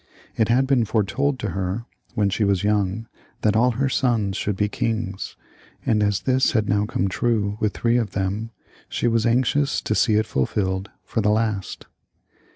It had been foretold to her when she was young, that all her sons should be kings, and as this had now come true with three of them, she was anxious to see it fulfilled for the last.